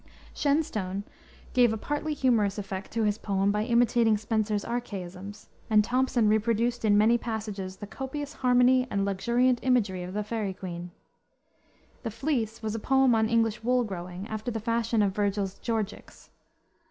Shenstone gave a partly humorous effect to his poem by imitating Spenser's archaisms, and Thomson reproduced in many passages the copious harmony and luxuriant imagery of the Faerie Queene. The Fleece was a poem on English wool growing, after the fashion of Vergil's Georgics.